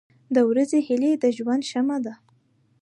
• د ورځې هیلې د ژوند شمع ده.